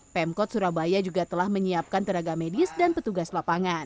pemkot surabaya juga telah menyiapkan tenaga medis dan petugas lapangan